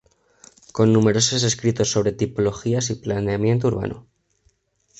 Con numerosos escritos sobre tipologías y planeamiento urbano.